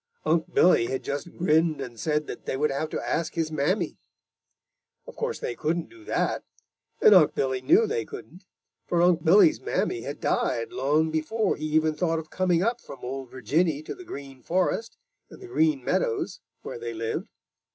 Unc' Billy had just grinned and said that they would have to ask his mammy. Of course they couldn't do that, and Unc' Billy knew they couldn't, for Unc' Billy's mammy had died long before he even thought of coming up from Ol' Virginny to the Green Forest and the Green Meadows where they lived.